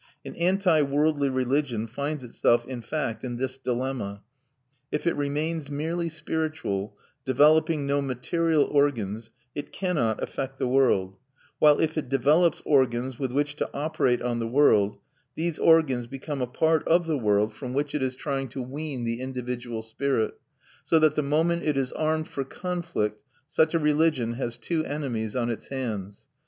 An anti worldly religion finds itself in fact in this dilemma: if it remains merely spiritual, developing no material organs, it cannot affect the world; while if it develops organs with which to operate on the world, these organs become a part of the world from which it is trying to wean the individual spirit, so that the moment it is armed for conflict such a religion has two enemies on its hands.